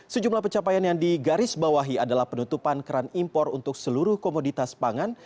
sejumlah pencapaian yang digarisbawahi adalah penutupan keran impor untuk seluruh komoditas pangan